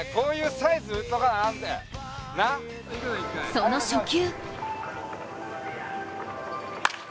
その初球。